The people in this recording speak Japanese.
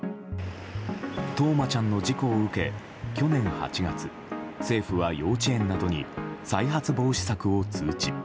冬生ちゃんの事故を受け去年８月政府は幼稚園などに再発防止策を通知。